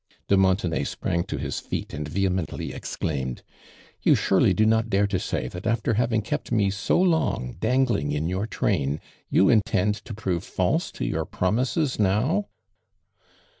De Montenay sprang to his leet and vehemently exclaimed: "You surely do not dare to say that after having kept mo so long dangling in your train, you intend to prove false to your promises now